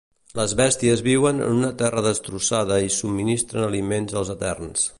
Les Bèsties viuen en una terra destrossada i subministren aliments als Eterns.